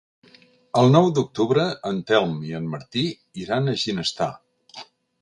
El nou d'octubre en Telm i en Martí iran a Ginestar.